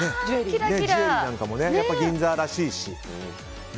ジュエリーなんかも銀座らしいしね。